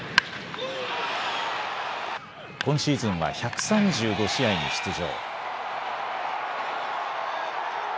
今シーズンは１３５試合に出場。